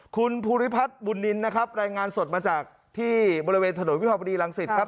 คุณภูริพัฒน์บุญนินนะครับรายงานสดมาจากที่บริเวณถนนวิภาวดีรังสิตครับ